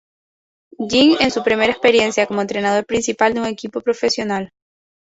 Jean, en su primera experiencia como entrenador principal de un equipo profesional.